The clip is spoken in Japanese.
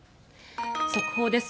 速報です。